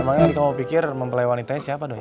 emangnya kita mau pikir memperlewani tes ya pak doi